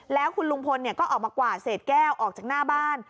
แล้วคุณลุงพลก็ออกมากวาดเศษแก้วออกจากหน้าบ้าน